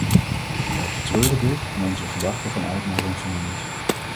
Wij betreuren dit en onze gedachten gaan uit naar hun families.